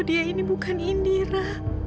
dia ini bukan indira